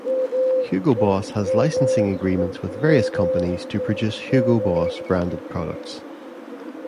Hugo Boss has licensing agreements with various companies to produce Hugo Boss branded products.